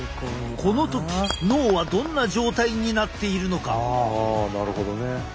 この時脳はどんな状態になっているのか？